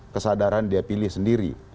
kesadaran dia pilih sendiri